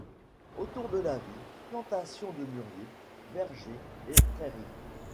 Autour de la ville, plantations de muriers, vergers et prairies.